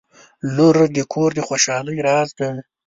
• لور د کور د خوشحالۍ راز دی.